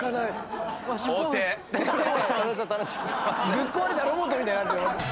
ぶっ壊れたロボットみたいになってる。